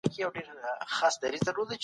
او خپلو ظالمانه پالیسیو